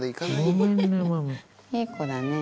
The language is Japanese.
いい子だね。